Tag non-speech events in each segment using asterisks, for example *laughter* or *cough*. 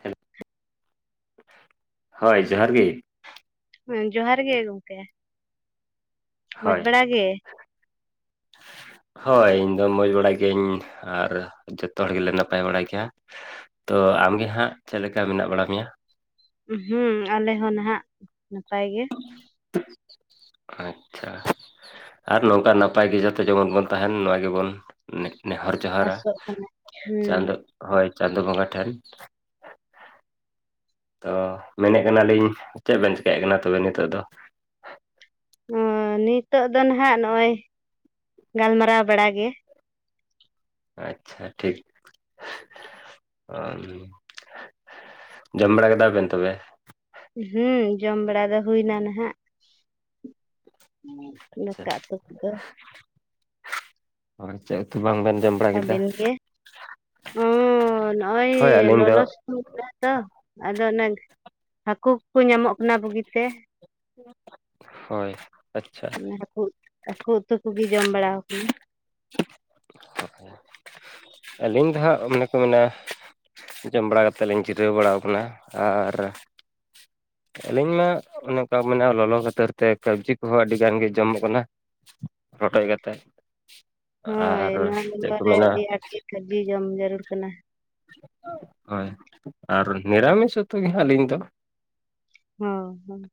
Hello, ᱦᱳᱭ ᱡᱚᱦᱟᱨ ᱜᱮ ᱦᱮᱸᱼ ᱡᱚᱦᱟᱨ ᱜᱮ ᱜᱚᱝᱠᱮ ᱢᱚᱡᱽ ᱦᱳᱭ ᱵᱟᱲᱟ ᱜᱮ? ᱦᱳᱭ ᱤᱧᱫᱚ ᱢᱚᱡᱽ ᱵᱟᱲᱟᱭ ᱜᱤᱭᱟᱹᱧ ᱟᱨ ᱡᱚᱛᱚ ᱦᱚᱲ ᱜᱮᱞᱮ ᱱᱟᱯᱟᱭ ᱵᱟᱲᱟ ᱜᱮᱭᱟ ᱾ ᱛᱚ ᱟᱢᱜᱮ ᱦᱟᱸᱜ ᱪᱮᱫ ᱞᱮᱠᱟ ᱢᱮᱱᱟᱜ ᱵᱟᱲᱟ ᱢᱮᱭᱟ? ᱦᱩᱸ ᱟᱞᱮ ᱦᱚᱸ ᱱᱟᱦᱟᱜ ᱱᱟᱯᱟᱭ ᱜᱮ ᱾ ᱟᱪᱪᱷᱟ ᱟᱨ ᱱᱚᱝᱠᱟ ᱱᱟᱯᱟᱭ ᱜᱮ ᱡᱚᱛᱚ ᱜᱮ ᱡᱮᱢᱚᱱ ᱵᱚᱱ ᱛᱟᱦᱮᱱ ᱱᱚᱣᱟ ᱜᱮᱵᱚᱱ ᱱᱮᱼ ᱱᱮᱦᱚᱨ ᱡᱚᱦᱟᱨᱟ ᱟᱥᱚᱜ ᱠᱟᱱᱟ ᱦᱩᱸ ᱦᱳᱭ ᱪᱟᱸᱫᱚ ᱵᱚᱸᱜᱟ ᱴᱷᱮᱱ ᱾ ᱛᱚ ᱢᱮᱱᱮᱜ ᱠᱟᱱᱟᱞᱤᱧ ᱪᱮᱫ ᱵᱮᱱ ᱪᱮᱠᱟᱭᱮᱫ ᱠᱟᱱᱟ ᱛᱚᱵᱮ ᱱᱤᱛᱚᱜ ᱫᱚ? ᱦᱚᱸ ᱱᱤᱛᱜ ᱫᱚ ᱱᱟᱦᱟᱜ ᱱᱚᱜᱼᱚᱭ ᱜᱟᱞᱢᱟᱨᱟᱣ ᱵᱟᱲᱟ ᱜᱮ ᱾ ᱟᱪᱪᱷᱟ ᱴᱷᱤᱠ ᱚᱢ ᱡᱚᱢ ᱵᱟᱲᱟ ᱠᱮᱫᱟ ᱵᱮᱱ ᱛᱚᱵᱮ? ᱦᱩᱸ ᱡᱚᱢ ᱵᱟᱲᱟ ᱫᱚ ᱦᱩᱭ ᱱᱟ ᱱᱟᱦᱟᱜ ᱾ ᱟᱪᱪᱷᱟ ᱫᱟᱠᱟ ᱩᱛᱩ ᱠᱚᱫᱚ ᱪᱮᱫ ᱩᱛᱩᱚ ᱵᱟᱝᱵᱮᱱ ᱡᱚᱢ ᱵᱟᱲᱟ ᱠᱮᱫᱟ ᱟᱵᱮᱱ ᱜᱮ ᱚᱸ? ᱱᱚ ᱚᱭ ᱦᱳᱭ ᱟᱹᱞᱤᱧ ᱫᱚ ᱞᱚᱞᱚ *unintelligible* ᱛᱚ ᱟᱫᱚ ᱚᱱ ᱦᱟᱹᱠᱩ ᱠᱚ ᱧᱟᱢᱚᱜ ᱠᱟᱱᱟ ᱵᱩᱜᱤ ᱛᱮ ᱾ ᱦᱳᱭ ᱟᱪᱪᱷᱟ *unintelligible* ᱦᱟᱹᱠᱩ ᱦᱟᱹᱠᱩ ᱩᱛᱩ ᱠᱩᱜᱤ ᱡᱚᱢ ᱵᱟᱲᱟᱣ ᱟᱠᱟᱱᱟ ᱟᱹᱞᱤᱧ ᱫᱚ ᱦᱟᱸᱜ ᱢᱚᱱᱮ ᱠᱚ ᱢᱮᱱᱟ ᱡᱚᱢ ᱵᱟᱲᱟ ᱠᱟᱛᱮᱫ ᱞᱤᱧ ᱡᱤᱨᱟᱹᱣ ᱵᱟᱲᱟᱣ ᱠᱟᱱᱟ ᱟᱨ ᱟᱹᱞᱤᱧ ᱢᱟ ᱚᱱᱮ ᱚᱱᱠᱟ ᱢᱮᱱᱟᱜᱼᱟ ᱞᱚᱞᱚ ᱠᱷᱟᱹᱛᱤᱨ ᱛᱮ ᱠᱟᱵᱡᱤ ᱠᱚᱦᱚᱸ ᱟᱹᱰᱤ ᱜᱟᱱ ᱜᱮᱸ ᱡᱚᱢᱚᱜ ᱠᱟᱱᱟ᱾ ᱨᱚᱰᱚᱡ ᱠᱟᱛᱮᱫ ᱟᱨ ᱪᱮᱫ ᱠᱚ ᱢᱮᱱᱟ ᱠᱟᱵᱡᱤ ᱡᱚᱢ ᱡᱟᱹᱨᱩᱲ ᱠᱟᱱᱟ᱾ ᱦᱳᱭ ᱟᱨ ᱱᱤᱨᱟᱢᱤᱥ ᱩᱛᱩ ᱜᱮ ᱦᱟᱸᱜ ᱟᱹᱞᱤᱧ ᱫᱚ᱾ ᱦᱚᱸ ᱦᱚᱸ ᱾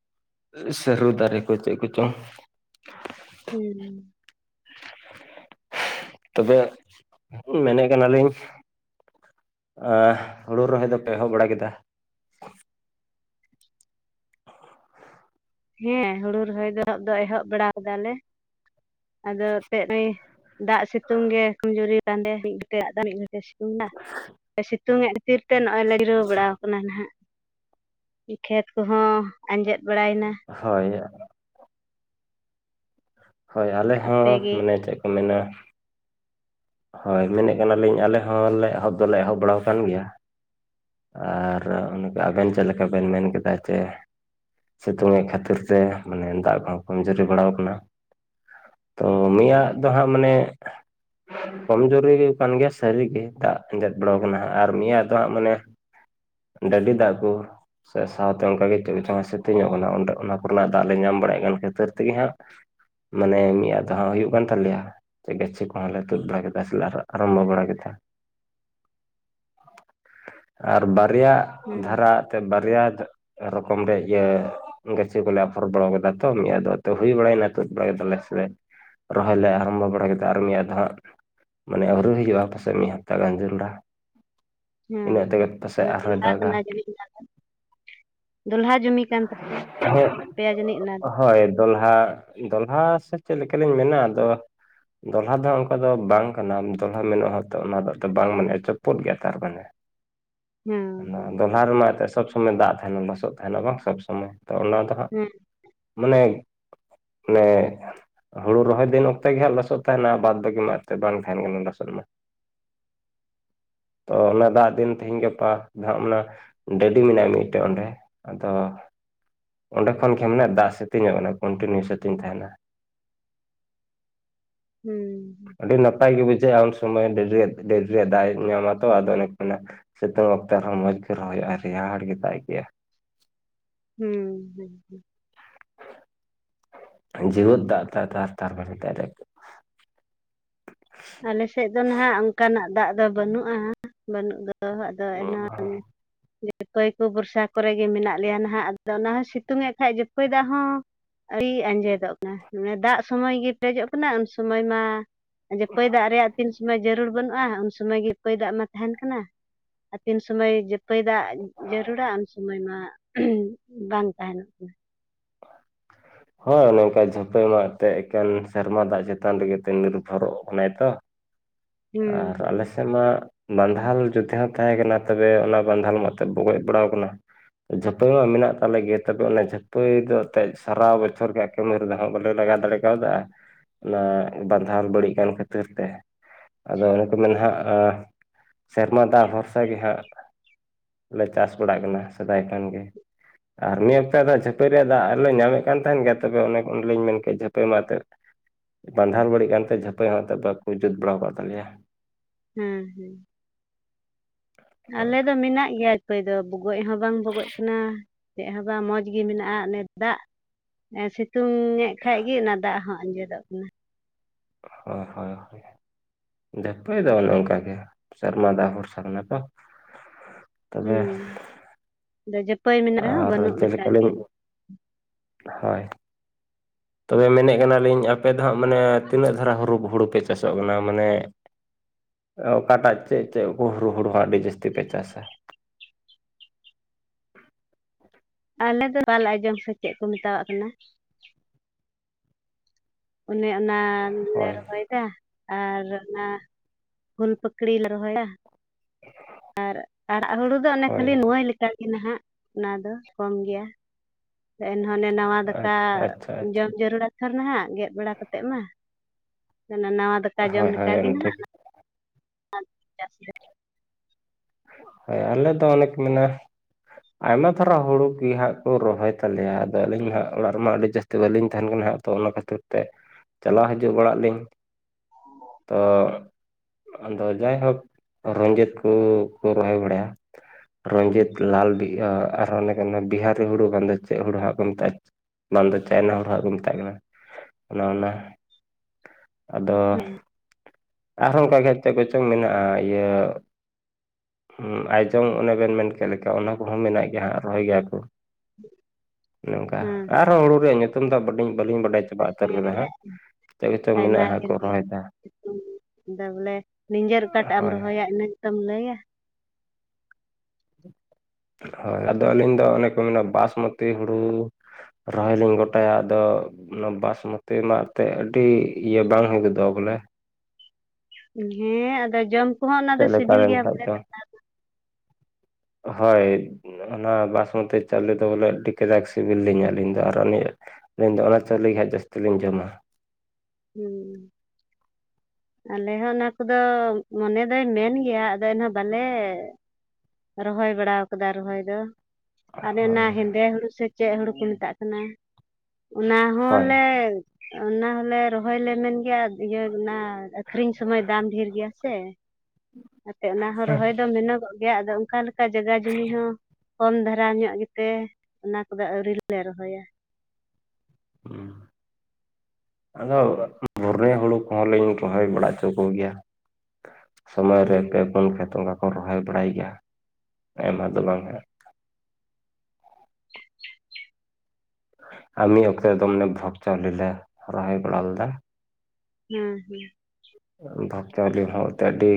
ᱥᱟᱨᱩ ᱫᱟᱨᱮ ᱠᱚ ᱪᱮᱫ ᱠᱚ ᱪᱚᱝ ᱦᱩᱸ ᱛᱚᱵᱮ ᱢᱮᱱᱮᱫ ᱠᱟᱱᱟᱞᱤᱧ ᱮᱸᱻᱦ ᱦᱳᱲᱳ ᱨᱚᱦᱚᱭ ᱫᱚᱯᱮ ᱮᱦᱚᱵ ᱵᱟᱲᱟ ᱠᱮᱫᱟ? ᱦᱮᱸ ᱦᱳᱲᱳ ᱨᱚᱦᱚᱭ ᱫᱚ ᱮᱦᱚᱵ ᱫᱚ ᱮᱦᱚᱵ ᱵᱟᱲᱟ ᱟᱠᱟᱫᱟᱞᱮ᱾ ᱟᱫᱚ ᱛᱮᱫ ᱫᱟᱜ ᱥᱤᱛᱩᱝ ᱜᱮ ᱠᱚᱢᱡᱩᱨᱤ ᱞᱟᱸᱫᱮ ᱢᱤᱫ ᱜᱷᱚᱴᱮᱡ ᱫᱟᱜ ᱫᱚ ᱢᱤᱫ ᱜᱚᱴᱮᱡ ᱛᱮ ᱥᱤᱛᱩᱝ ᱮ ᱠᱷᱟ. ᱛᱤᱨ ᱛᱮ ᱱᱚᱜᱼᱚᱭ ᱞᱮ ᱡᱤᱨᱟᱹᱣ ᱵᱟᱲᱟᱣ ᱠᱟᱱᱟ ᱱᱟᱦᱟᱸᱜ᱾ ᱠᱷᱮᱛ ᱠᱚᱦᱚᱸ ᱟᱸᱡᱮᱫ ᱵᱟᱲᱟᱭᱮᱱᱟ᱾ ᱦᱳᱭ ᱦᱳᱭ ᱟᱞᱮ ᱦᱚᱸ ᱟᱯᱮᱜᱮ ᱢᱟᱱᱮ ᱪᱮᱫ ᱠᱚ ᱢᱮᱱᱟ ᱦᱳᱭ ᱢᱮᱱᱮᱫ ᱠᱟᱱᱟᱞᱤᱧ ᱟᱞᱮ ᱦᱚᱸᱞᱮ ᱮᱦᱚᱵ ᱫᱚᱞᱮ ᱮᱦᱚᱵ ᱵᱟᱲᱟ ᱟᱠᱟᱱ ᱜᱮᱭᱟ᱾ ᱟᱨ ᱟᱵᱮᱱ ᱪᱮᱫ ᱞᱮᱠᱟ ᱵᱮᱱ ᱢᱮᱱ ᱠᱮᱫᱟ ᱡᱮ ᱥᱤᱛᱩᱝ ᱮ ᱠᱷᱟᱹᱛᱤᱨ ᱛᱮ ᱢᱟᱱᱮ ᱫᱟᱜ ᱠᱚᱦᱚᱸ ᱠᱚᱢᱡᱩᱨᱤ ᱵᱟᱲᱟᱣ ᱟ ᱠᱟᱱᱟ ᱛᱚ ᱢᱮᱭᱟᱜ ᱫᱚ ᱦᱟᱸᱜ ᱢᱟᱱᱮ ᱠᱚᱢᱡᱩᱨᱤ ᱠᱟᱱ ᱜᱮᱭᱟ ᱥᱟᱹᱨᱤᱜᱮ ᱫᱟᱜ ᱟᱸᱡᱮᱫ ᱵᱟᱲᱟ ᱠᱟᱱᱟ ᱟᱨ ᱢᱮᱭᱟᱹ ᱫᱚ ᱦᱟᱸᱜ ᱢᱟᱱᱮ ᱰᱟᱰᱤ ᱫᱟᱜ ᱠᱩ ᱥᱮ ᱥᱟᱶᱛᱮ ᱚᱱᱠᱟᱜ ᱥᱤᱛᱤ ᱧᱚᱜ ᱠᱟᱱᱟ ᱚᱸᱰᱮ ᱚᱱᱟ ᱠᱚᱨᱮᱱᱟᱜ ᱫᱟᱜ ᱞᱮ ᱧᱟᱢ ᱵᱟᱲᱟᱭᱮᱫ ᱠᱟᱱ ᱠᱷᱟᱹᱛᱤᱨ ᱛᱮᱜᱮ ᱦᱟᱸᱜ ᱢᱟᱱᱮ ᱢᱤᱫ ᱟᱫ ᱫᱷᱟ ᱦᱟᱼᱜ ᱦᱩᱭᱩᱜ ᱠᱟᱱ ᱛᱟᱞᱮᱭᱟ ᱜᱟᱪᱷᱤ ᱠᱚᱦᱚ ᱞᱮ ᱛᱩᱫ ᱵᱟᱲᱟ ᱠᱮᱫᱟ ᱟᱨᱚᱢᱵ ᱵᱟᱲᱟ ᱠᱮᱫᱟ ᱟᱨ ᱵᱟᱨᱭᱟ ᱫᱷᱟᱨᱟ ᱦᱮᱸ ᱛᱮ ᱵᱟᱨᱭᱟ ᱨᱚᱠᱚᱢ ᱨᱮ ᱤᱭᱟᱹ ᱜᱟᱹᱪᱷᱤ ᱠᱚᱞᱮ ᱟᱯᱷᱚᱨ ᱵᱟᱲᱟ ᱠᱮᱫᱟ ᱛᱚ ᱢᱮᱤᱭᱟᱹᱫᱚ ᱛᱚ ᱦᱩᱭ ᱵᱟᱲᱟᱭᱱᱟ ᱛᱩᱫ ᱵᱟᱲᱟ ᱠᱮᱫᱟᱞᱮ ᱥᱮ ᱨᱚᱦᱚᱭ ᱞᱮ ᱮᱦᱚᱵᱟ ᱵᱟᱲᱟ ᱠᱮᱫᱟ ᱟᱨ ᱢᱮᱭᱟᱫ ᱫᱚ ᱦᱟᱸᱜ ᱢᱟᱱᱮ ᱟ. ᱣᱨᱩ ᱦᱩᱭᱩᱜᱼᱟ ᱯᱟᱥᱮᱡ ᱢᱤᱫ ᱦᱟᱯᱛᱟ ᱜᱟᱱ ᱡᱚᱨᱩᱲᱟ ᱦᱚᱸ-ᱦᱚᱸ ᱟᱨᱦᱚᱸᱭ ᱡᱚᱞᱦᱟ ᱫᱟᱜᱟ ᱠᱟᱱᱟ ᱡᱟᱹᱱᱤᱡ ᱚᱱᱟᱫᱚ ᱫᱚᱞᱦᱟ ᱡᱚᱢᱤ ᱠᱟᱱ ᱯᱮᱭᱟ ᱡᱟᱹᱱᱤᱡ ᱚᱱᱟ ᱫᱚ? ᱦᱳᱭ ᱫᱚᱞᱦᱟ ᱥᱮ ᱪᱮᱫ ᱞᱮᱠᱟᱞᱤᱧ ᱢᱮᱱᱟ ᱟᱫᱚ ᱫᱚᱞᱦᱟ ᱫᱚ ᱚᱱᱠᱟ ᱫᱚ ᱵᱟᱝ ᱠᱟᱱᱟᱢ ᱫᱚᱞᱦᱟ ᱢᱮᱱᱟᱜᱼᱟ ᱦᱚᱸᱛᱚ ᱚᱱᱟ ᱫᱚ ᱵᱟᱝ ᱢᱟᱱᱮ ᱪᱚᱯᱩᱫ ᱜᱮᱭᱟ ᱛᱟᱨ ᱢᱟᱱᱮ᱾ ᱦᱮᱸ ᱚᱱᱟ ᱫᱚᱞᱦᱟ ᱨᱮᱢᱟ ᱮᱛᱮ ᱥᱚᱵ ᱥᱚᱢᱚᱭ ᱫᱟᱜ ᱛᱟᱦᱮᱱᱟ, ᱞᱚᱥᱚᱫ ᱛᱟᱦᱮᱱᱟ ᱵᱟᱝ ᱥᱚᱵ ᱥᱚᱢᱚᱭ ᱛᱚ ᱚᱱᱟ ᱫᱚ ᱵᱟᱝ ᱦᱮᱸ ᱟᱸᱡᱚᱢ ᱴᱷᱤᱠᱟᱹᱜ ᱠᱟᱱᱟ ᱢᱟᱱᱮ-ᱢᱟᱱᱮ ᱦᱳᱲᱳ ᱨᱚᱦᱚᱭ ᱫᱤᱱ ᱚᱠᱛᱮ ᱜᱮ ᱦᱟᱸᱜ ᱞᱚᱥᱚᱫ ᱛᱟᱸᱦᱮᱱᱟ ᱵᱟᱫᱽ ᱢᱟᱜ ᱛᱮ ᱵᱟᱝ ᱛᱟᱦᱮᱱ ᱠᱟᱱᱟ ᱞᱚᱥᱚᱱ ᱢᱟ *inaudible* ᱛᱚ ᱚᱱᱟ ᱫᱟᱜ ᱫᱤᱱ ᱛᱮᱦᱤᱧ, ᱜᱟᱯᱟ ᱱᱟᱟᱜ ᱚᱱᱟ ᱰᱟᱹᱰᱤ ᱢᱮᱱᱟ ᱢᱤᱫᱴᱮᱡ ᱚᱸᱰᱮ ᱟᱫᱚ ᱚᱸᱰᱮ ᱠᱷᱚᱱ ᱜᱮᱸ ᱢᱟᱱᱮ ᱫᱟᱜ ᱥᱮᱛᱤᱱ ᱧᱚᱜ ᱠᱚᱱᱴᱤᱱᱤᱭᱩ ᱥᱮᱛᱤᱝ ᱛᱟᱦᱮᱱᱟ᱾ ᱦᱩᱸ ᱦᱩᱸ ᱾ ᱟᱹᱰᱤ ᱱᱟᱯᱟᱭ ᱜᱮ ᱵᱩᱡᱷᱟᱹᱜᱼᱟ ᱩᱱ ᱥᱚᱢᱚᱭ ᱰᱮᱨᱮᱭᱟᱫ ᱰᱮᱨᱮᱭᱟᱫ ᱨᱮᱭᱟᱜ ᱫᱟᱜ ᱮ ᱧᱟᱢᱟ ᱛᱚ ᱟᱫᱚ ᱚᱱᱮᱠ ᱢᱮᱱᱟ ᱥᱤᱛᱩᱝ ᱚᱠᱛᱚ ᱨᱮᱚᱸ ᱢᱚᱡᱽ ᱜᱮ ᱨᱚᱦᱚᱭᱚᱜᱼᱟ ᱨᱮᱭᱟᱲ ᱜᱮ ᱫᱟᱜ ᱟᱹᱭᱠᱟᱹᱜ-ᱟ᱾ ᱦᱩᱸ ᱦᱩᱸ ᱦᱩᱸ ᱾ ᱫᱟᱹᱨ ᱫᱟᱜ ᱛᱟᱨ-ᱛᱟᱨ ᱵᱟᱱᱟᱭ ᱟ ᱟᱞᱮ ᱥᱮᱫ ᱫᱚ ᱱᱟᱦᱟᱜ ᱚᱱᱠᱟᱱᱟᱜ ᱫᱟᱜ ᱫᱚ ᱵᱟᱹᱱᱩᱜᱼᱟ-ᱵᱟᱹᱱᱩᱜ ᱫᱚ ᱟᱫᱚ ᱮᱱᱟ ᱦᱚᱸ ᱡᱚᱠᱷᱟᱹᱭ ᱠᱚ ᱵᱚᱨᱥᱟ ᱠᱚᱨᱮ ᱜᱮ ᱢᱮᱱᱟᱜ ᱞᱮᱭᱟ ᱱᱟᱦᱟᱜ ᱟᱫᱚ ᱚᱱᱟ ᱦᱚᱸ ᱥᱤᱛᱩᱝᱫ ᱠᱷᱟᱱ ᱡᱚᱠᱷᱟᱹᱭ ᱫᱟᱜ ᱦᱚᱸ ᱟᱹᱰᱤ ᱟᱸᱡᱮᱫᱚᱜ ᱠᱟᱱᱟ ᱢᱟᱱᱮ ᱫᱟᱜ ᱥᱚᱢᱚᱭ ᱜᱮᱸ ᱯᱮᱨᱮᱡᱚᱜ ᱠᱟᱱᱟ, ᱩᱱ ᱥᱚᱢᱚᱭ ᱢᱟ ᱦᱳᱭ ᱫᱟᱨᱜᱭᱟᱜ ᱛᱤᱱ ᱥᱚᱢᱚᱭ ᱡᱟᱹᱨᱩᱲ ᱵᱟᱹᱱᱩᱜᱼᱟ ᱩᱱ ᱥᱚᱢᱚᱭ ᱜᱮ ᱦᱚᱭ ᱫᱟᱜ ᱢᱟ ᱛᱟᱦᱮᱱ ᱠᱟᱱᱟ ᱟᱨ ᱛᱤᱱ ᱥᱚᱢᱚᱭ ᱡᱟᱹᱼᱼ *unintelligible* ᱫᱟᱜ ᱡᱟᱹᱨᱩᱲᱟ ᱩᱱ ᱥᱚᱢᱚᱭ ᱢᱟ ᱵᱟᱝ ᱛᱟᱦᱮᱱᱚᱜ ᱠᱟᱱᱟ *inaudible* ᱦᱳᱭ ᱚᱱᱮᱚᱝᱠᱟ *unintelligible* ᱢᱟᱜ ᱛᱮ ᱮᱠᱮᱱ ᱥᱮᱨᱢᱟ ᱫᱟᱜ ᱪᱮᱛᱟᱱ ᱨᱮᱜᱮ ᱱᱤᱨᱵᱷᱚᱨᱚᱜ ᱠᱟᱱᱟᱭ ᱛᱚ ᱦᱩᱸ ᱟᱨ ᱦᱩᱸ ᱟᱞᱮ ᱥᱮᱫ ᱢᱟ ᱵᱟᱸᱫᱷᱟᱞ ᱡᱩᱫ ᱡᱟᱦᱚᱸ ᱛᱟᱦᱮᱸ ᱠᱟᱱᱟ ᱛᱚᱵᱮ ᱚᱱᱟ ᱵᱟᱸᱫᱷᱟᱞ ᱢᱟᱛᱚ ᱵᱚᱜᱚᱡ ᱵᱟᱲᱟᱣ ᱟᱠᱟᱱᱟ ᱡᱚᱛᱟᱜ ᱢᱮᱱᱟᱜ ᱛᱟᱞᱮ ᱜᱮᱭ ᱛᱚᱵᱮ ᱚᱱᱮ ᱡᱟᱹᱯᱟᱹᱭ ᱫᱚ ᱟᱛᱮᱡ ᱥᱟᱨᱟ ᱵᱚᱪᱷᱚᱨ ᱜᱮ ᱠᱟᱹᱢᱤ ᱨᱮᱫᱚ ᱦᱟᱸᱜ ᱵᱟᱞᱮ ᱞᱟᱜᱟᱣ ᱫᱟᱲᱮ ᱠᱟᱣᱫᱟ ᱚᱱᱟ ᱵᱟᱸᱫᱷᱟᱞ ᱵᱟᱹᱲᱤᱡ ᱠᱟᱱ ᱠᱷᱟᱹᱛᱤᱨ ᱛᱮ ᱟᱫᱚ ᱚᱱᱮᱠᱚ ᱢᱮᱱ ᱦᱟᱸᱜ ᱥᱮᱨᱢᱟ ᱫᱟᱜ ᱵᱷᱚᱨᱥᱟ ᱜᱮ ᱦᱟᱸᱜ ᱞᱮ ᱪᱟᱥ ᱵᱟᱲᱟᱭᱮᱜ ᱠᱟᱱᱟ ᱥᱮᱫᱟᱭ ᱠᱷᱚᱱ ᱜᱮ᱾ ᱟᱨ ᱢᱤᱫ ᱦᱟᱯᱛᱟ ᱡᱷᱟᱹᱯᱟᱹᱭ ᱨᱮᱭᱟᱜ ᱫᱟᱜ ᱞᱮ ᱧᱟᱢᱮᱫ ᱠᱟᱱ ᱛᱟᱦᱮᱸᱱ ᱜᱮᱭᱟ ᱛᱚᱵᱮ ᱚᱱᱮ ᱚᱱᱮᱞᱤᱧ ᱢᱮᱱ ᱠᱮᱫ ᱡᱷᱟᱹᱯᱟᱹᱭ ᱢᱟ ᱛᱮᱫ ᱵᱟᱸᱫᱷᱟ ᱵᱟᱹᱲᱤᱡ ᱠᱟᱱᱛᱮ ᱡᱷᱟᱹᱯᱟᱹᱭ ᱦᱚᱸ ᱟᱛᱮ ᱵᱟᱠᱚ ᱡᱟᱹᱛ ᱵᱟᱲ ᱟᱠᱟᱜ ᱛᱟᱞᱮᱭᱟ ᱦᱩᱸ ᱦᱩᱸ ᱦᱳᱭ ᱟᱞᱮ ᱫᱚ ᱢᱮᱱᱟᱜ ᱜᱮᱭᱟ ᱚᱠᱚᱭ ᱫᱚ ᱵᱚᱜᱚᱡ ᱦᱚᱸ ᱵᱟᱝ ᱵᱚᱜᱚᱡ ᱠᱟᱱᱟ ᱪᱮᱫ ᱦᱚᱸ ᱵᱟᱝ ᱢᱚᱡᱽ ᱜᱮ ᱢᱮᱱᱟᱜᱼᱟ ᱚᱱᱮ ᱫᱟᱜ ᱥᱤᱛᱩᱝ ᱮᱫ ᱠᱷᱟᱡᱜᱮ ᱚᱱᱟ ᱫᱟᱜ ᱦᱚᱸ ᱟᱸᱡᱮᱫᱚᱜ ᱠᱟᱱᱟ ᱦᱳᱭ ᱦᱳᱭ ᱡᱷᱟᱹᱯᱟᱹᱭ ᱫᱚ ᱚᱱᱮ ᱚᱱᱠᱟᱜ ᱜᱮ ᱥᱮᱨᱢᱟ ᱫᱟᱜ ᱵᱷᱚᱨᱥᱟ ᱢᱮᱱᱟᱜ ᱠᱚᱣᱟ ᱛᱚᱵᱮ ᱡᱷᱟᱹᱟᱹᱯᱟᱹᱭ ᱢᱮᱱᱟᱜ ᱨᱮᱦᱚᱸ ᱟᱨ ᱵᱟᱹᱱᱩᱜ ᱞᱮᱠ ᱜᱮ ᱡᱮᱞᱮᱠᱟᱞᱤᱧ ᱦᱳᱭ ᱛᱚᱵᱮ ᱢᱮᱱᱮᱫ ᱠᱟᱱᱟᱞᱤᱧ ᱟᱯᱮ ᱫᱚ ᱦᱟᱸᱜ ᱢᱟᱱᱮ ᱛᱤᱱᱟᱹᱜ ᱫᱷᱟᱨᱟ ᱦᱩᱲᱩ ᱦᱩᱲᱩ ᱯᱮ ᱪᱟᱥᱚᱜ ᱠᱟᱱᱟ ᱢᱟᱱᱮ ᱚᱠᱟᱴᱟᱜ ᱪᱮᱫ ᱪᱮᱫ ᱠᱚ ᱦᱩᱲᱩ ᱦᱩᱲᱩ ᱦᱚᱸ ᱟᱹᱰᱤ ᱡᱟᱹᱟᱥᱛᱤ ᱯᱮ ᱪᱟᱥᱟ ᱟᱞᱮ ᱫᱚ ᱵᱟᱞ ᱟᱡᱚᱢ ᱥᱮ ᱪᱮᱫ ᱠᱚ ᱢᱮᱛᱟᱣᱟᱜ ᱠᱟᱱᱟ ᱚᱱᱮ ᱚᱱᱟ ᱞᱮ ᱦᱳᱭ ᱨᱚᱦᱚᱭ ᱠᱟᱫᱟ ᱟᱨ ᱚᱱᱟ ᱯᱷᱩᱞ ᱯᱟᱹᱠᱲᱤ ᱞᱮ ᱨᱚᱦᱚᱭᱟ ᱟᱨ ᱟᱨᱟᱜ ᱦᱩᱲᱩ ᱫᱚ ᱚᱱᱮ ᱠᱷᱟᱹᱞᱤ ᱦᱳᱭ ᱱᱩᱣᱟᱭ ᱞᱮᱠᱟ ᱮᱴᱟᱜ ᱜᱮ ᱱᱟᱦᱟᱜ ᱚᱱᱟ ᱫᱚ ᱠᱚᱢ ᱜᱮᱭᱟ ᱮᱱᱦᱚᱸ ᱚᱱᱮ ᱱᱟᱣᱟ ᱫᱟᱠᱟ ᱟᱪᱪᱷᱟ ᱟᱪᱪᱷᱟ ᱟᱪᱪᱷᱟ ᱡᱚᱢ ᱡᱟᱹᱨᱩᱲᱟ ᱛᱚ ᱱᱟᱜ ᱵᱟᱲᱟ ᱠᱟᱛᱮᱫ ᱢᱟ ᱚᱱᱟ ᱱᱟᱣᱟ ᱫᱟᱠᱟ ᱡᱚᱢ ᱦᱳᱭ ᱦᱳᱭ ᱞᱮᱠᱟᱜᱮ ᱮᱢ ᱴᱷᱤᱠ ᱱᱟᱜ *inaudible* *unintelligible* ᱦᱳᱭ ᱟᱞᱮ ᱫᱚ ᱚᱱᱮᱠ ᱢᱮᱱᱟᱜᱼᱟ ᱟᱭᱢᱟ ᱫᱷᱟᱨᱟ ᱦᱩᱲᱩ ᱜᱤ ᱦᱟᱸᱜ ᱠᱚ ᱨᱚᱦᱚᱭ ᱛᱟᱞᱮᱭᱟ ᱟᱫᱚ ᱟᱹᱞᱤᱧ ᱢᱟ ᱦᱟᱸᱜ ᱚᱲᱟᱜ ᱨᱮᱢᱟ ᱟᱹᱰᱤ ᱡᱟᱹᱥᱛᱤ ᱛᱮ ᱵᱟᱹᱞᱤᱧ ᱛᱟᱦᱮᱱ ᱠᱟᱱᱟ ᱦᱟᱸᱜ ᱛᱚ ᱚᱱᱟ ᱠᱷᱟᱹᱛᱤᱨ ᱛᱮ ᱪᱟᱞᱟᱣ ᱦᱤᱡᱩᱜ ᱵᱟᱲᱟᱜ ᱞᱤᱧ ᱛᱚ ᱟᱫᱚ ᱡᱟᱭᱦᱳᱠ *unintelligible* ᱠᱚ ᱠᱚ ᱨᱚᱦᱚᱭ ᱵᱟᱲᱟᱭᱟ ᱨᱚᱡᱤᱛ ᱞᱟᱞ ᱵᱤ ᱟᱨ ᱚᱱᱮ ᱵᱤᱦᱟᱨᱤ ᱦᱩᱲᱩ ᱵᱟᱝ ᱫᱚ ᱪᱮᱫ ᱦᱩᱲᱩ ᱦᱟᱸᱜ ᱠᱚ ᱢᱮᱛᱟᱜᱼᱟ ᱵᱟᱝ ᱫᱚ ᱪᱟᱭᱱᱟ ᱦᱚᱲᱚ ᱦᱟᱸᱜ ᱠᱚ ᱢᱮᱛᱟᱜ ᱠᱟᱱᱟ ᱚᱱᱮ ᱚᱱᱟ ᱟᱫᱚ ᱟᱨᱦᱚᱸ ᱚᱱᱠᱟ ᱜᱮ ᱪᱮᱫ ᱠᱚᱪᱚᱝ ᱢᱮᱱᱟᱜᱼᱟ ᱤᱭᱟᱹ ᱟᱭᱡᱚᱝ ᱚᱱᱮ ᱵᱮᱱ ᱢᱮᱱ ᱠᱮᱫ ᱞᱮᱠᱟ ᱚᱱᱟ ᱠᱚᱦᱚᱸ ᱢᱮᱱᱟᱜ ᱜᱮᱭᱟ ᱦᱟᱸᱜ ᱨᱚᱦᱚᱭ ᱜᱮᱭᱟ ᱠᱚ *unintelligible* ᱱᱚᱝᱠᱟ ᱦᱮᱸ ᱟᱨᱦᱚᱸ ᱦᱩᱲᱩ ᱨᱮᱭᱟᱜ ᱧᱩᱛᱩᱢ ᱫᱚ ᱵᱟᱹᱞᱤᱧ ᱵᱟᱹᱞᱤᱧ ᱵᱟᱰᱟᱭᱟᱪᱮᱫᱟᱜ ᱥᱮ ᱟᱹᱞᱤᱧ ᱫᱚ ᱦᱟᱸᱜ ᱦᱮᱸ ᱡᱤᱛ ᱜᱮᱛᱚᱝ ᱟᱭᱢᱟ ᱢᱮᱱᱟᱜᱼᱟ ᱦᱟᱸᱜ ᱠᱚ ᱰᱷᱮᱨ ᱜᱮ ᱨᱚᱦᱚᱭᱮᱫᱟ ᱟᱫᱚ ᱵᱚᱞᱮ ᱱᱤᱡᱮᱨ ᱚᱠᱟᱴᱟᱜ ᱮᱢ ᱦᱳᱭ ᱨᱚᱦᱚᱭᱟ ᱤᱱᱟᱹᱜᱮᱛᱚᱢ ᱞᱟᱹᱭᱟ ᱦᱳᱭ ᱟᱫᱚ ᱟᱹᱞᱤᱧ ᱫᱚ ᱚᱱᱮᱠ ᱠᱚ ᱢᱮᱱᱟᱜ ᱵᱟᱥᱢᱚᱛᱤ ᱦᱩᱲᱩ ᱨᱚᱦᱚᱭ ᱞᱤᱧ ᱜᱚᱴᱟᱭᱟ ᱟᱫᱚ ᱚᱱᱟ ᱵᱟᱥᱢᱚᱛᱤ ᱚᱱᱟᱜ ᱛᱮ ᱟᱹᱰᱤ ᱤᱭᱟᱹ ᱵᱟᱝ ᱦᱩᱭ ᱜᱚᱫᱚᱜᱼᱟ ᱵᱚᱞᱮ ᱦᱮᱸ ᱟᱫᱚ ᱡᱚᱢ ᱠᱚᱦᱚᱸ ᱚᱱᱟ ᱫᱚ ᱪᱮᱫ ᱞᱮᱠᱟ ᱥᱤᱵᱤᱞ ᱜᱮᱭᱟ ᱞᱮᱱᱠᱷᱟᱡ ᱵᱚᱞᱮ ᱠᱟᱛᱷᱟ ᱦᱚᱭ ᱚᱱᱟ ᱵᱟᱥᱢᱚᱛᱤ ᱪᱟᱣᱞᱮ ᱫᱚ ᱵᱚᱞᱮ ᱟᱹᱰᱤ ᱠᱟᱡᱟᱠ ᱥᱤᱵᱤᱞ ᱞᱤᱧᱟᱹ ᱟᱹᱞᱤᱧ ᱫᱚ ᱟᱨ ᱚᱱᱮ ᱟᱹᱞᱤᱧ ᱫᱚ ᱚᱱᱟᱛᱮ ᱞᱟᱹᱭ ᱠᱷᱟᱱᱡ ᱡᱟᱭᱹᱥᱛᱤ ᱞᱤᱧ ᱡᱚᱢᱟ ᱦᱩᱸ ᱾ ᱟᱞᱮ ᱦᱚᱸ ᱚᱱᱟ ᱠᱚᱫᱚ ᱢᱚᱱᱮ ᱫᱚᱭ ᱢᱮᱱ ᱜᱮᱭᱟ ᱟᱫᱚ ᱮᱱᱦᱚᱸ ᱵᱟᱞᱮ ᱨᱚᱦᱚᱭ ᱵᱟᱲᱟ ᱟᱠᱟᱫᱟ ᱨᱚᱦᱚᱭ ᱫᱚ ᱾ ᱚᱱᱮ ᱚᱱᱟ ᱦᱳᱭ ᱦᱮᱸᱫᱮ ᱦᱩᱲᱩ ᱥᱮ ᱪᱮᱫ ᱦᱩᱲᱩ ᱠᱚ ᱢᱮᱛᱟᱜ ᱠᱟᱱᱟ? ᱚᱱᱟ ᱦᱳᱭ ᱦᱚᱸᱞᱮᱼ ᱚᱱᱟ ᱦᱚᱸᱞᱮ ᱨᱚᱦᱚᱭ ᱞᱮ ᱢᱮᱱ ᱜᱮᱭᱟ ᱤᱭᱟᱹ ᱚᱱᱟ ᱟᱹᱠᱷᱨᱤᱧ ᱥᱚᱢᱚᱭ ᱫᱟᱢ ᱰᱷᱮᱨ ᱜᱮᱭᱟ ᱥᱮ ᱚᱱᱟᱛᱮ ᱚᱱᱟ ᱦᱚᱸ ᱨᱚᱦᱚᱭ ᱫᱚ ᱢᱮᱱᱚᱜᱚᱜ ᱾ ᱜᱮᱭᱟ ᱟᱫᱚ ᱚᱱᱠᱟ ᱞᱮᱠᱟ ᱡᱟᱭᱜᱟ ᱡᱚᱢᱤ ᱦᱚᱸ ᱠᱚᱢ ᱫᱷᱟᱨᱟ ᱧᱚᱜ ᱜᱮᱛᱮ ᱚᱱᱟ ᱠᱚᱫᱚ ᱟᱹᱣᱨᱤᱞᱮ ᱨᱚᱦᱚᱭᱟ ᱾ ᱦᱩᱸ ᱟᱫᱚ ᱵᱷᱚᱨᱮ ᱦᱩᱲᱩ ᱠᱚᱦᱚᱸ ᱞᱤᱧ ᱨᱚᱦᱚᱭ ᱵᱟᱲᱟ ᱦᱚᱪᱚ ᱠᱚᱜᱮᱭᱟ ᱥᱚᱢᱚᱭ ᱨᱮ ᱦᱮᱸ ᱯᱮ ᱯᱚᱱ ᱠᱷᱮᱛ ᱚᱱᱠᱟ ᱠᱚ ᱨᱚᱦᱚᱭ ᱵᱟᱲᱟᱭ ᱜᱮᱭᱟ ᱟᱭᱢᱟ ᱫᱚ ᱵᱟᱝ ᱦᱟᱸᱜ ᱾ ᱟᱨ ᱱᱤᱭᱟᱹ ᱚᱠᱛᱮ ᱫᱚ ᱵᱷᱚᱜ ᱪᱟᱣᱞᱮ ᱨᱚᱦᱚᱭ ᱵᱟᱲᱟ ᱞᱮᱫᱟ ᱾ ᱦᱩᱸ ᱦᱩᱸ ᱾ ᱵᱷᱟᱜ ᱪᱟᱣᱞᱮ ᱦᱚᱸ ᱟᱹᱰᱤ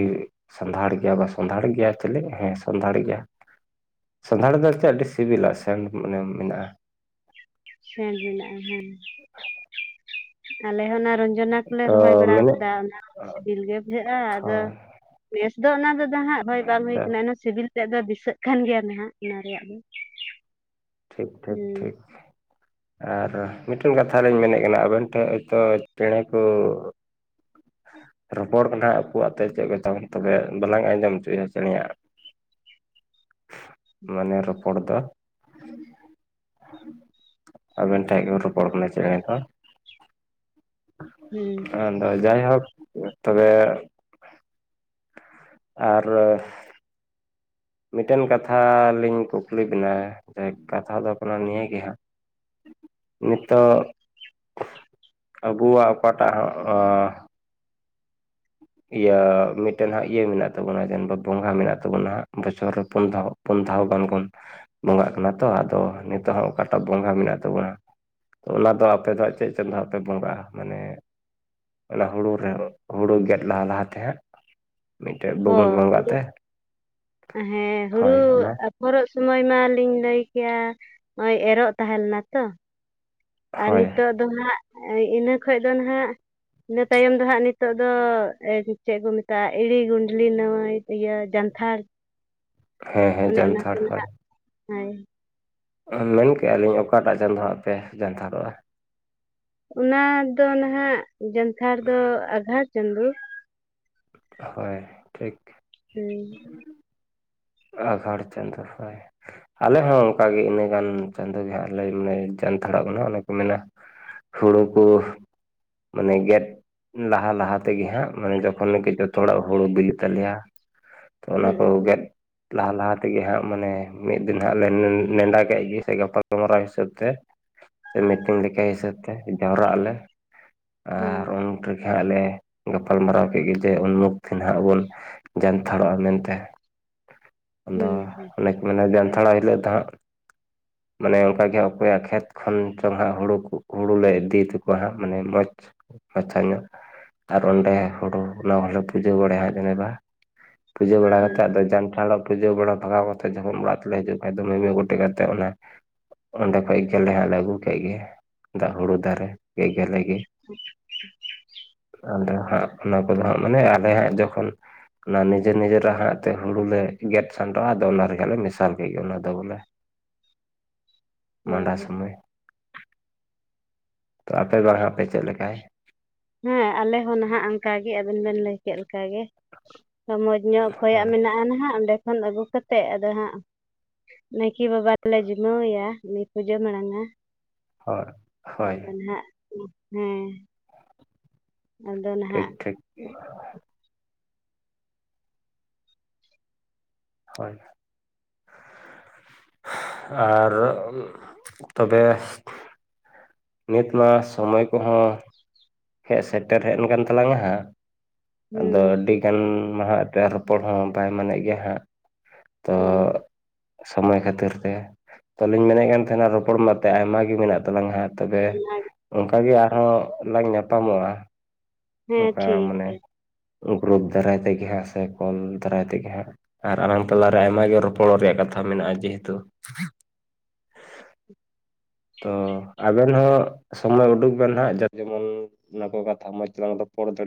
ᱥᱟᱱᱫᱷᱟᱲ ᱜᱮᱭᱟ ᱵᱟᱝ ᱥᱚᱸᱫᱷᱟᱲ ᱜᱮᱭᱟ ᱪᱚᱞᱮ ᱦᱮᱸ ᱥᱚᱸᱫᱷᱟᱲ ᱜᱮᱭᱟ ᱾ ᱥᱟᱸᱫᱷᱟᱲ ᱫᱚ ᱪᱮᱫ ᱟᱹᱰᱤ ᱥᱤᱵᱤᱞᱟ ᱥᱮᱱᱴ ᱢᱟᱱᱮ ᱢᱮᱱᱟᱜᱼᱟ ᱾ ᱥᱮᱸᱰ ᱦᱮᱱᱟᱜᱼᱟ ᱦᱮᱸ ᱾ *inaudible* ᱟᱞᱮ ᱦᱚᱸ ᱚᱱᱟ ᱨᱚᱱᱡᱚᱱᱟ ᱠᱚᱞᱮ ᱛᱚ ᱨᱚᱦᱚᱭ ᱵᱟᱲᱟ ᱢᱮᱱᱮᱫ ᱟᱠᱟᱫᱟ, ᱚᱱᱟ ᱥᱤᱵᱤᱞ ᱜᱮ ᱵᱩᱡᱷᱟᱹᱜᱼᱟ ᱟᱫᱚ ᱦᱳᱭ ᱱᱮᱥ ᱫᱚ ᱚᱱᱟ ᱫᱚ ᱫᱟ ᱦᱟᱸᱜ ᱨᱚᱦᱚᱭ ᱵᱟᱝ ᱦᱩᱭ ᱦᱳᱭ ᱠᱟᱱᱟ ᱾ ᱥᱤᱵᱤᱞ ᱛᱮᱫ ᱫᱚ ᱫᱤᱥᱟᱹᱜ ᱠᱟᱱ ᱜᱮᱭᱟ ᱱᱟᱦᱟᱜ ᱚᱱᱟ ᱨᱮᱭᱟᱜ ᱫᱚ ᱾ ᱴᱷᱤᱠ ᱴᱷᱤᱠ ᱴᱷᱤᱠ ᱾ ᱟᱨ ᱢᱤᱫᱴᱮᱱ ᱠᱟᱛᱷᱟ ᱞᱤᱧ ᱢᱮᱱᱮᱫ ᱠᱟᱱᱟ ᱟᱵᱮᱱ ᱴᱷᱮᱱ ᱦᱚᱭᱛᱚ ᱪᱮᱸᱬᱮ ᱠᱚ *inaudible* ᱨᱚᱯᱚᱲ ᱠᱟᱱᱟ ᱟᱠᱚᱣᱟᱜ ᱛᱮ ᱪᱮᱫ ᱠᱟᱛᱮ ᱛᱚᱵᱮ ᱵᱟᱞᱟᱝ ᱟᱸᱡᱚᱢ ᱦᱚᱪᱚᱭ ᱪᱮᱸᱬᱮ ᱟᱜ *inaudible* ᱢᱟᱱᱮ ᱨᱚᱯᱚᱲ ᱫᱚ *inaudible* ᱟᱵᱮᱱ ᱴᱷᱮᱡ ᱜᱮ ᱨᱚᱯᱚᱲ ᱠᱟᱱᱟ ᱪᱮᱸᱬᱮ ᱠᱚ ᱾ ᱦᱩᱸ ᱟᱫᱚ ᱡᱟᱭᱦᱳᱠ ᱛᱚᱵᱮ ᱟᱨ ᱢᱤᱫᱴᱮᱱ ᱠᱟᱛᱷᱟ ᱞᱤᱧ ᱠᱩᱠᱞᱤ ᱵᱤᱱᱟ ᱡᱮ, ᱠᱟᱛᱷᱟ ᱫᱚ ᱠᱟᱱᱟ ᱱᱤᱭᱟᱹ ᱜᱮ ᱦᱟᱸᱜ ᱾ ᱱᱤᱛᱚᱜ ᱟᱵᱚᱣᱟᱜ ᱚᱠᱟᱴᱟᱜ ᱦᱚᱸ ᱤᱭᱟᱹ ᱢᱤᱫᱴᱮᱱ ᱦᱟᱸᱜ ᱤᱭᱟᱹ ᱢᱮᱱᱟᱜ ᱛᱟᱵᱚᱱᱟ ᱡᱮ ᱵᱚᱸᱜᱟ ᱢᱮᱱᱟᱜ ᱛᱟᱵᱚᱱᱟ ᱦᱟᱸᱜ ᱵᱚᱪᱷᱚᱨ ᱨᱮ ᱯᱩᱱ ᱫᱷᱟᱹᱣ ᱾ ᱯᱩᱱ ᱫᱷᱟᱹᱣ ᱜᱟᱱ ᱵᱚᱱ ᱵᱚᱸᱜᱟᱜ ᱠᱟᱱᱟ ᱛᱚ, ᱟᱫᱚ ᱱᱤᱛᱚᱜ ᱦᱚᱸ ᱚᱠᱟᱴᱟᱜ ᱵᱚᱸᱜᱟ ᱢᱮᱱᱟᱜ ᱛᱟᱵᱚᱱᱟ᱾ ᱛᱚ ᱚᱱᱟ ᱫᱚ ᱟᱯᱮ ᱫᱚ ᱦᱟᱸᱜ ᱪᱮᱫ ᱪᱟᱸᱫᱚ ᱦᱟᱸᱜ ᱯᱮ ᱵᱚᱸᱜᱟᱜᱼᱟ? ᱢᱟᱱᱮ ᱚᱱᱟ ᱦᱩᱲᱩ ᱨᱮ ᱦᱩᱲᱩ ᱜᱮᱫ ᱞᱟᱦᱟ ᱞᱟᱦᱟᱛᱮ ᱦᱟᱸᱜ ᱾ ᱚ ᱦᱩᱲᱩ ᱦᱮᱸ ᱦᱩᱲᱩ ᱦᱳᱭ ᱚᱱᱟ ᱮᱨᱚᱜ ᱥᱚᱢᱚᱭ ᱢᱟᱞᱤᱧ ᱞᱟᱹᱭ ᱠᱮᱭᱟ ᱱᱚᱜᱼᱚᱭ ᱮᱨᱚᱜ ᱛᱟᱦᱮᱸ ᱞᱮᱱᱟ ᱛᱚ, ᱟᱨ ᱦᱳᱭ ᱱᱤᱛᱚᱜ ᱫᱚ ᱦᱟᱸᱜ ᱤᱱᱟᱹ ᱠᱷᱚᱡ ᱫᱚ ᱱᱟᱜ ᱤᱱᱟᱹ ᱛᱟᱭᱚᱢ ᱫᱚ ᱦᱟᱸᱜ ᱱᱤᱛᱚᱜ ᱫᱚ ᱪᱮᱫ ᱠᱚ ᱢᱮᱛᱟᱜᱼᱟ ᱮᱲᱤ ᱜᱩᱸᱰᱞᱤ ᱱᱟᱹᱭ ᱤᱭᱟᱹ ᱡᱟᱱᱛᱷᱟᱲ ᱦᱮᱸ ᱦᱮᱸ ᱚᱱᱮ ᱚᱱᱟᱠᱚ ᱡᱟᱱᱛᱷᱟᱲ ᱦᱳᱭ ᱱᱟᱦᱜ ᱦᱳᱭ ᱾ ᱢᱮᱱ ᱠᱮᱜᱼᱟ ᱞᱤᱧ ᱚᱠᱟᱴᱟᱜ ᱪᱟᱸᱫᱚ ᱦᱟᱸᱜ ᱯᱮ ᱡᱟᱱᱛᱷᱟᱨᱚᱜᱼᱟ? ᱚᱱᱟ ᱫᱚ ᱱᱟᱦᱜ ᱡᱟᱱᱛᱷᱟᱲ ᱫᱚ ᱟᱜᱷᱟᱲ ᱪᱟᱸᱫᱩ ᱾ ᱦᱳᱭ, ᱴᱷᱤᱠ ᱾ ᱦᱩᱸ ᱾ ᱟᱜᱷᱟᱲ ᱪᱟᱸᱫᱚ ᱦᱳᱭ ᱾ ᱟᱞᱮ ᱦᱚᱸ ᱚᱱᱠᱟ ᱜᱮ ᱤᱱᱟᱹ ᱜᱟᱱ ᱪᱟᱸᱫᱳ ᱜᱮ ᱦᱟᱸᱜ ᱞᱮ ᱢᱟᱱᱮ ᱡᱟᱱᱛᱷᱟᱲᱚᱜ ᱠᱟᱱᱟ, ᱚᱱᱮ ᱠᱚ ᱢᱮᱱᱟ ᱾ ᱦᱩᱲᱩ ᱠᱚ ᱢᱟᱱᱮ ᱜᱮᱫ ᱞᱟᱦᱟ ᱞᱟᱦᱟ ᱛᱮᱜᱮ ᱦᱟᱸᱜ ᱢᱟᱱᱮ ᱡᱚᱠᱷᱚᱱ ᱜᱮ ᱡᱚᱛᱚ ᱦᱚᱲᱟᱜ ᱦᱩᱲᱩ ᱵᱤᱞᱤᱜ ᱛᱟᱞᱮᱭᱟ ᱾ ᱛᱚ ᱚᱱᱟ ᱦᱩᱸ ᱠᱚ ᱦᱩᱸ ᱦᱮᱸ ᱜᱮᱫ ᱞᱟᱦᱟ ᱞᱟᱦᱟ ᱛᱮᱜᱮ ᱦᱟᱸᱜ ᱢᱟᱱᱮ ᱢᱤᱫ ᱫᱤᱱ ᱦᱟᱸᱜ ᱱᱮᱰᱟ ᱠᱮᱫ ᱜᱮ ᱥᱮ ᱜᱟᱯᱟᱞ ᱢᱟᱨᱟᱣ ᱦᱤᱥᱟᱹᱵᱽ ᱛᱮ ᱥᱮ ᱢᱤᱴᱤᱝ ᱞᱮᱠᱟ ᱦᱤᱥᱟᱹᱵ ᱛᱮ ᱡᱟᱣᱨᱟᱜ ᱟᱞᱮ ᱟᱨ ᱩᱱ ᱦᱩᱸ ᱨᱮᱜᱮ ᱦᱟᱸᱜ ᱞᱮ ᱜᱟᱯᱟᱞᱢᱟᱨᱟᱣ ᱠᱮᱫ ᱜᱮ ᱡᱮ ᱩᱱᱢᱩᱠᱷ ᱫᱤᱱ ᱦᱟᱸᱜ ᱵᱩᱱ ᱡᱟᱱᱛᱷᱟᱲᱚᱜᱼᱟ ᱢᱮᱱᱛᱮ ᱟᱫᱚ ᱦᱩᱸ ᱚᱱᱮ ᱢᱟᱱᱮ ᱡᱟᱱᱛᱷᱟᱲ ᱦᱤᱞᱳᱜ ᱫᱚ ᱦᱟᱸᱜ ᱢᱟᱱᱮ ᱚᱱᱠᱟᱜᱮ ᱚᱠᱚᱭᱟᱜ ᱠᱷᱮᱛ ᱠᱷᱚᱱ ᱪᱚᱝ ᱦᱟᱸᱜ ᱦᱩᱲᱩ ᱦᱩᱲᱩᱞᱮ ᱤᱫᱤ ᱛᱚᱠᱚᱣᱟ ᱦᱟᱸᱜ ᱢᱟᱱᱮ ᱢᱚᱡᱽ ᱢᱟᱪᱷᱟ ᱧᱚᱜ ᱟᱨ ᱚᱸᱰᱮ ᱦᱩᱲᱩ ᱚᱱᱟ ᱦᱚᱸᱞᱮ ᱯᱩᱡᱟᱹ ᱵᱟᱲᱟᱭᱟ ᱡᱮᱱᱮ ᱵᱟ ᱯᱩᱡᱟᱹ ᱵᱟᱲᱟ ᱦᱩᱸ ᱠᱟᱛᱮᱫ ᱟᱫᱚ ᱡᱟᱱᱴᱷᱟᱲᱟᱜ ᱯᱩᱡᱟᱹ ᱵᱟᱲᱟ ᱵᱷᱟᱜᱟᱣ ᱠᱟᱛᱮ ᱡᱚᱠᱷᱚᱱ ᱚᱲᱟᱜ ᱛᱮᱞᱮ ᱦᱤᱡᱩᱜ ᱠᱷᱟᱡ ᱫᱚ ᱢᱤᱢᱤᱫ ᱜᱚᱴᱮᱡ ᱠᱟᱛᱮᱫ ᱚᱱᱟ ᱚᱸᱰᱮ ᱠᱷᱚᱡ ᱜᱮᱞᱮ ᱦᱟᱸᱜ ᱞᱮ ᱟᱹᱜᱩ ᱠᱮᱫ ᱜᱮ ᱫᱟᱜ ᱦᱩᱲᱩ ᱫᱟᱨᱮ ᱜᱮ ᱜᱮᱞᱮ ᱜᱮ *inaudible* ᱟᱫᱚ ᱦᱟᱸᱜ ᱚᱱᱟ ᱠᱚᱫᱚ ᱦᱟᱸᱜ ᱢᱟᱱᱮ ᱟᱞᱮ ᱦᱟᱸᱜ ᱡᱚᱠᱷᱚᱱ ᱚᱱᱟ ᱱᱤᱡᱮ ᱱᱤᱡᱮᱨᱨᱮ ᱦᱟᱜ ᱛᱮ ᱦᱩᱲᱩ ᱞᱮ ᱜᱮᱫ ᱥᱟᱸᱰᱚᱜᱼᱟ ᱟᱫᱚ ᱚᱱᱟ ᱨᱮᱭᱟᱜᱜ ᱞᱮ ᱢᱮᱥᱟᱞ ᱠᱮᱫ ᱜᱮ ᱚᱱᱟ ᱫᱚ ᱵᱚᱞᱮ ᱢᱟᱸᱰᱟ ᱦᱳᱭ ᱥᱚᱢᱚᱭ ᱛᱚ ᱟᱯᱮ ᱵᱟᱝ ᱦᱟᱜ ᱪᱮᱫ ᱞᱮᱠᱟᱭ ᱦᱮᱸ ᱟᱞᱮ ᱦᱚᱸ ᱱᱟᱦᱟᱜ ᱚᱱᱠᱟᱜ ᱜᱮ ᱟᱵᱤᱱ ᱵᱮᱱ ᱞᱟᱹᱭ ᱠᱮᱫ ᱞᱮᱠᱟᱜ ᱜᱮ ᱢᱚᱡᱽ ᱧᱚᱜ ᱚᱠᱚᱭᱟᱜ ᱦᱳᱭ ᱢᱮᱱᱟᱜᱼᱟ ᱱᱟᱦᱟᱜ ᱚᱸᱰᱮ ᱠᱷᱚᱱ ᱟᱹᱜᱩ ᱠᱟᱛᱮᱫ ᱟᱫᱚ ᱦᱟᱸᱜ ᱱᱟᱭᱠᱮ ᱵᱟᱵᱟ ᱞᱮ ᱡᱤᱢᱟᱹᱣᱟᱭᱟ ᱩᱱᱤ ᱯᱩᱡᱟᱹ ᱢᱟᱲᱟᱝᱟ ᱦᱳᱭ ᱦᱳᱭ ᱟᱫᱚ ᱱᱟᱦᱟᱜ ᱦᱮᱸ ᱟᱫᱚ ᱱᱟ ᱴᱷᱤᱠ ᱴᱷᱤᱠ ᱦᱳᱭ ᱟᱨ ᱛᱚᱵᱮ ᱱᱤᱛ ᱢᱟ ᱥᱚᱢᱚᱭ ᱠᱚᱦᱚᱸ ᱦᱮᱡ ᱥᱮᱴᱮᱨ ᱦᱮᱡᱱ ᱠᱟᱱᱟᱱ ᱛᱟᱞᱟᱝᱟ ᱦᱟᱸᱜ ᱟᱫᱚ ᱦᱮᱸ ᱟᱹᱰᱤᱜᱟᱱ ᱢᱟᱦᱟᱜ *unintelligible* ᱨᱚᱯᱚᱲ ᱦᱚᱸ ᱵᱟᱭ ᱢᱟᱱᱮᱜ ᱜᱮᱭᱟ ᱦᱟᱸᱜ ᱛᱚᱼ ᱦᱮᱸ ᱥᱚᱢᱚᱭ ᱠᱷᱟᱹᱛᱤᱨ ᱛᱮ ᱛᱚᱞᱤᱧ ᱢᱮᱱᱮᱫ ᱠᱟᱱ ᱛᱟᱦᱮᱱᱟ ᱨᱚᱯᱚᱲ ᱢᱟᱛᱮᱫ ᱟᱭᱢᱟᱜ ᱜᱮ ᱢᱮᱱᱟᱜ ᱛᱟᱞᱟᱝ ᱦᱟᱸᱜ ᱛᱚᱵᱮ ᱚᱱᱠᱟᱜ ᱜᱮ ᱟᱨᱦᱚᱸ ᱞᱟᱝ ᱧᱟᱯᱟᱢᱚᱜᱼᱟ ᱦᱮᱸ ᱚᱱᱠᱟ ᱴᱷᱤᱠ ᱜᱮᱭᱟ ᱢᱟᱱᱮ ᱜᱨᱩᱯ ᱫᱟᱨᱟᱭ ᱛᱮᱜᱮ ᱦᱟᱸᱜ ᱥᱮ ᱠᱚᱞ ᱫᱟᱨᱟᱭ ᱛᱮ ᱜᱮ ᱦᱟᱸᱜ ᱟᱨ ᱟᱞᱟᱝ ᱛᱟᱞᱟᱨᱮ ᱟᱭᱢᱟᱜ ᱜᱮ ᱨᱚᱯᱚᱲ ᱨᱮᱭᱟᱜ ᱠᱟᱛᱷᱟ ᱢᱮᱱᱟᱜᱼᱟ ᱡᱮᱦᱮᱛᱩ ᱛᱚ ᱟᱵᱮᱱ ᱦᱚᱸ ᱥᱚᱢᱚᱭ ᱩᱰᱩᱠ ᱵᱮᱱ ᱦᱟᱸᱜ ᱡᱮᱢᱚᱱ ᱚᱱᱟ ᱠᱚ ᱠᱟᱛᱷᱟ ᱢᱚᱸᱡᱽ ᱛᱮᱟᱞᱟᱝ ᱨᱚᱯᱚᱲ ᱫᱟᱲᱮᱜ